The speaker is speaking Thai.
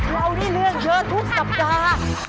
เรานี่เรื่องเชื้อทุกสัปดาห์